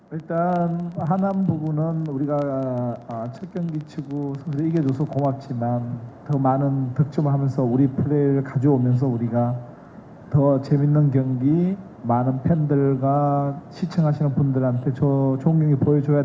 sebagai asal semua pemain tersebut adalah pemain pertama dan memiliki kemampuan yang lebih baik